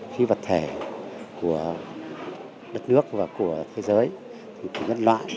khí vật thể của đất nước và của thế giới của nhật loại